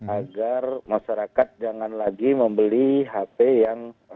agar masyarakat jangan lagi membeli hp yang